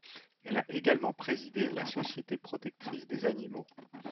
Elle a également présidé la Société protectrice des animaux.